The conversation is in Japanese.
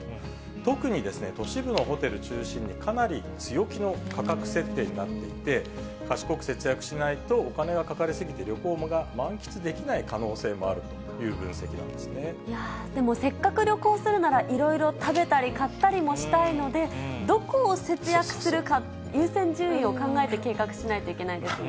特に、都市部のホテル中心に、かなり強気の価格設定になっていて、賢く節約しないとお金がかかり過ぎて、旅行が満喫できない可能性でも、せっかく旅行するなら、いろいろ食べたり買ったりもしたいので、どこを節約するか、優先順位を考えて計画しないといけないですね。